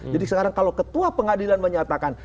sekarang kalau ketua pengadilan menyatakan